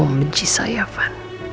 kamu mau benci saya van